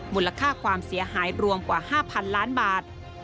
มูลค่าความเสียหายรวมกว่า๕๐๐๐ล้านบาท